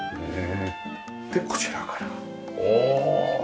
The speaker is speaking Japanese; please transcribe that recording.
でこちらからおお！